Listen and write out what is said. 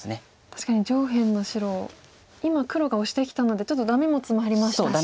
確かに上辺の白今黒がオシてきたのでちょっとダメもツマりましたし。